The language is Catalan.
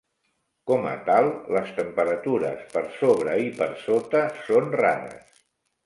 Com a tal, les temperatures per sobre i per sota són rares.